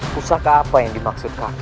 kusaka apa yang dimaksud kakek